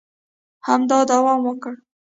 همداسې دوام وکړي